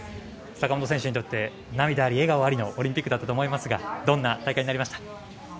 坂本選手にとって涙あり、笑顔ありのオリンピックだったと思いますがどんな大会になりましたか。